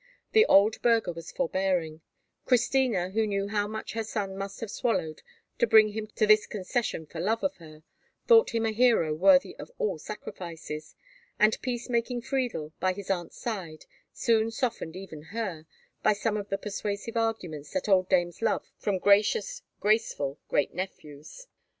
The old burgher was forbearing; Christina, who knew how much her son must have swallowed to bring him to this concession for love of her, thought him a hero worthy of all sacrifices; and peace making Friedel, by his aunt's side, soon softened even her, by some of the persuasive arguments that old dames love from gracious, graceful, great nephews.